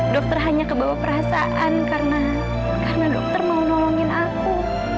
dokter hanya kebawa perasaan karena dokter mau nolongin aku